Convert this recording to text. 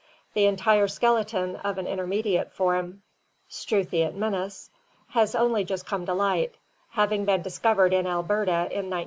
The en tire skeleton of an intermediate form, Struthiotnimus, has only just come to light, having been discovered in Alberta in 1914.